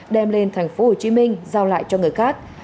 đem lên thành phố hồ chí minh giao lại cho người khác